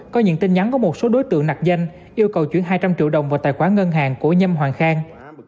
có những tin nhắn của một số đối tượng nạc danh yêu cầu chuyển hai trăm linh triệu đồng vào tài khoản ngân hàng của nhâm hoàng khang